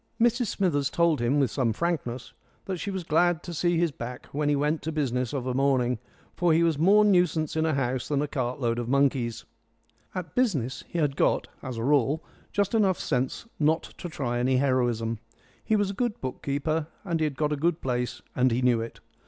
Mrs Smithers told him with some frankness that she was glad to see his back when he went to business of a morning, for he was more nuisance in a house than a cartload of monkeys. At business he had got, as a rule, just enough sense not to try any heroism. He was a good book keeper and he had got a good place and he knew it.